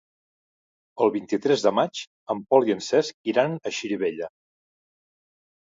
El vint-i-tres de maig en Pol i en Cesc iran a Xirivella.